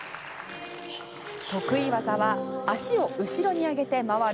得意技は足を後ろに上げて回る